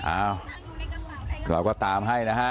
อ้าวเราก็ตามให้นะฮะ